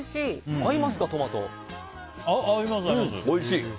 おいしい！